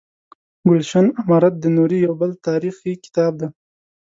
ګلشن امارت د نوري یو بل تاریخي کتاب دی.